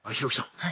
はい。